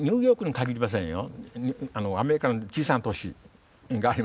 アメリカの小さな都市がありますね。